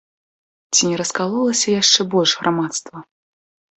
Ці не раскалолася яшчэ больш грамадства?